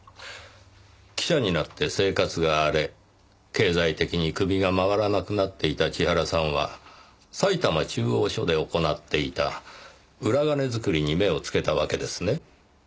記者になって生活が荒れ経済的に首が回らなくなっていた千原さんは埼玉中央署で行っていた裏金作りに目をつけたわけですね？